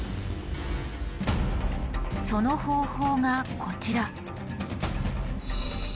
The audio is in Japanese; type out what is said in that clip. その方法がこちら。